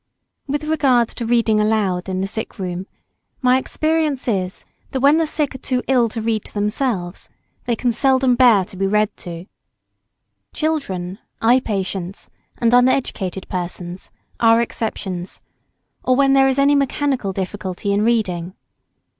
[Sidenote: Reading aloud.] With regard to reading aloud in the sick room, my experience is, that when the sick are too ill to read to themselves, they can seldom bear to be read to. Children, eye patients, and uneducated persons are exceptions, or where there is any mechanical difficulty in reading.